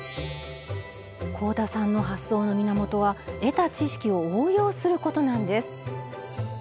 香田さんの発想の源は「得た知識を応用する」ことなんです。